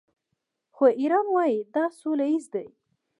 خو ایران وايي دا سوله ییز دی.